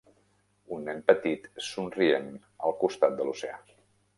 Un nen petit somrient al costat de l'oceà.